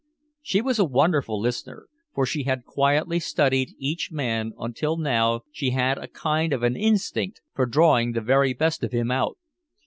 She was a wonderful listener, for she had quietly studied each man until now she had a kind of an instinct for drawing the very best of him out.